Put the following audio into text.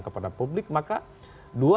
kepada publik maka dua